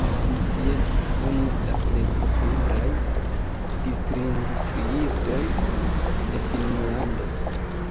Li estis unu da plej popularaj distrindustriistoj de Finnlando.